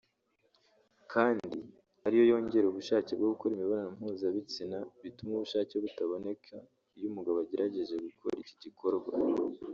kandi ariyo yongera ubushake bwo gukorana imibonano mpuzabitsina bituma ubushake butaboneka iyo umugabo agerageje gukora iki gikorwa